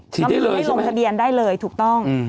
ฉีดได้เลยใช่ไหมให้ลงทะเบียนได้เลยถูกต้อง